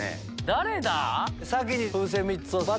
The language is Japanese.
誰だ？